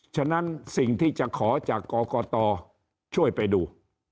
ฉะนั้นสิ่งที่จะขอจากกรกตช่วยไปดู